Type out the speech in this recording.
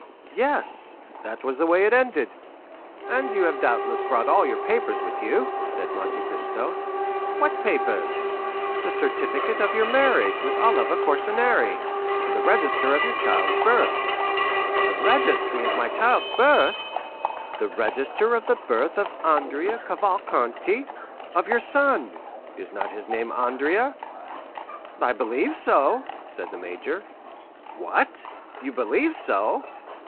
"Yes, that was the way it ended." "And you have doubtless brought all your papers with you?" said Monte Cristo. "What papers?" "The certificate of your marriage with Oliva Corsinari, and the register of your child's birth." "The register of my child's birth?" "The register of the birth of Andrea Cavalcanti—of your son; is not his name Andrea?" "I believe so," said the major. "What? You believe so?"